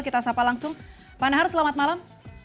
kita sapa langsung pak nahar selamat malam